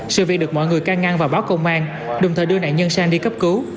sự việc được mọi người can ngăn và báo công an đồng thời đưa nạn nhân sang đi cấp cứu